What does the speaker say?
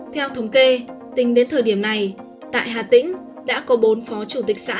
theo thống kê tính đến thời điểm này tại hà tĩnh đã có bốn phó chủ tịch xã